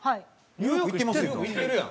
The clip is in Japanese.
ニューヨーク行ってますやん。